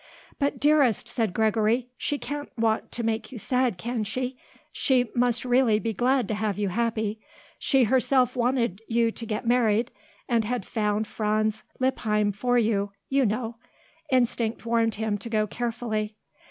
"But, dearest," said Gregory, "she can't want to make you sad, can she? She must really be glad to have you happy. She herself wanted you to get married, and had found Franz Lippheim for you, you know." Instinct warned him to go carefully.